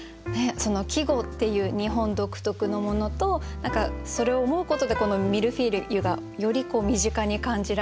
季語っていう日本独特のものとそれを思うことでこの「ミルフィーユ」がより身近に感じられる。